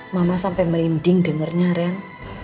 mama sampai merinding dengernya rem